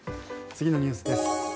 次のニュースです。